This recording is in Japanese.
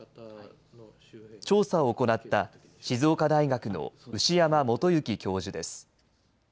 調査を行った静岡大学の牛山素行教授です。